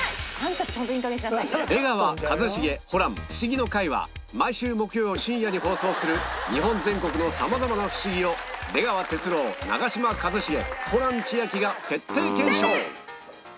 『出川一茂ホラン☆フシギの会』は毎週木曜深夜に放送する日本全国の様々なフシギを出川哲朗長嶋一茂ホラン千秋が徹底検証